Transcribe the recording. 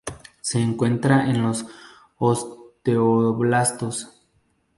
Se encuentra en los osteoblastos.